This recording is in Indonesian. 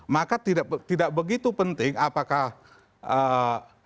maka tidak begitu penting apakah hari pertama